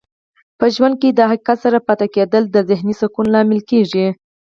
په ژوند کې د حقیقت سره سم پاتې کیدل د ذهنې سکون لامل کیږي.